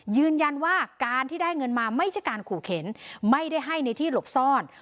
ยืนยันว่าการที่ได้เงินมาไม่ใช่การขู่เข็นไม่ได้ให้ในที่หลบซ่อน